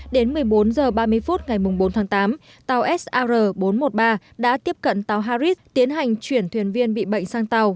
đến một mươi bốn h ba mươi phút ngày bốn tháng tám tàu sar bốn trăm một mươi ba đã tiếp cận tàu harris tiến hành chuyển thuyền viên bị bệnh sang tàu